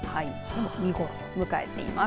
見頃を迎えています。